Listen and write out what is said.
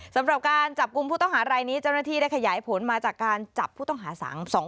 สำหรับการจับกลุ่มผู้ต้องหารายนี้เจ้าหน้าที่ได้ขยายผลมาจากการจับผู้ต้องหาสัง